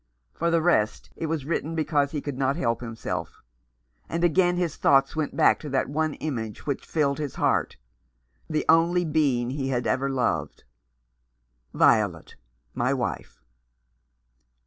For the rest, it was written because he could not help himself; and again his thoughts went back to that one image which filled his heart, the only being he had ever loved. "Violet, my wife!"